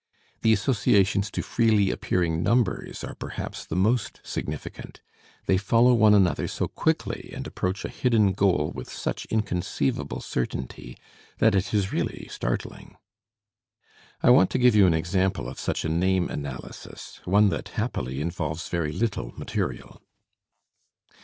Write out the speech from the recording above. The associations to freely appearing numbers are perhaps the most significant. They follow one another so quickly and approach a hidden goal with such inconceivable certainty, that it is really startling. I want to give you an example of such a name analysis, one that, happily, involves very little material.